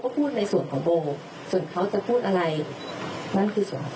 พูดในส่วนของโกหกส่วนเขาจะพูดอะไรนั่นคือส่วนของ